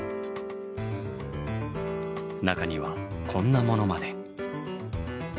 中にはこんなものまで。